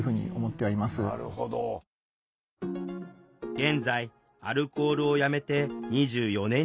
現在アルコールをやめて２４年になる清家さん。